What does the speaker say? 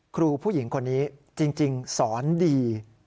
ครูผู้หญิงคนนี้จริงสอนดี